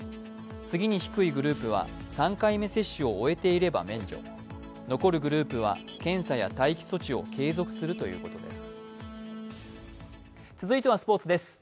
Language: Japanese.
次に低いグループは３回目接種を終えていれば免除、残るグループは検査や待機措置を継続するということです。